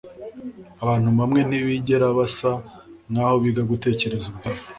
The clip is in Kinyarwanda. abantu bamwe ntibigera basa nkaho biga gutekereza ubwabo